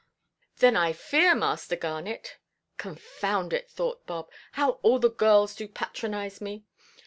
"Then, I fear, Master Garnet"—["Confound it," thought Bob, "how all the girls do patronize me!"